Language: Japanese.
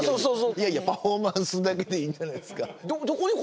いやいやパフォーマンスだけでいいんじゃないですか。